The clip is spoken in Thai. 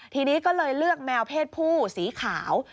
ทีนี้ก็เลยเลือกแมวเพศผู้สีขาว